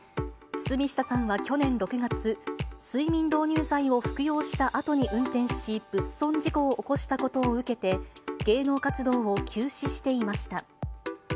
堤下さんは去年６月、睡眠導入剤を服用したあとに運転し、物損事故を起こしたことを受けて、芸能活動を休止していました。